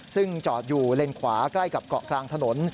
ซึ่งจอดอยู่เลนขวาใกล้กับเกาะกลางถนน